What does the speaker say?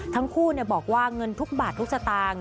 ทั้งคู่บอกว่าเงินทุกบาททุกสตางค์